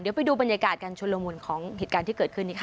เดี๋ยวไปดูบรรยากาศการชุนละมุนของเหตุการณ์ที่เกิดขึ้นนี้ค่ะ